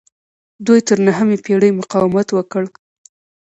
دوی تر نهمې پیړۍ مقاومت وکړ